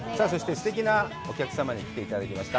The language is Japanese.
すてきなお客さんに来ていただきました。